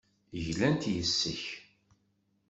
Glant yes-k.